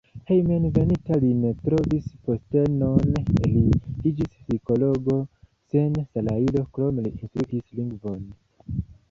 Hejmenveninta li ne trovis postenon, li iĝis psikologo sen salajro, krome li instruis lingvon.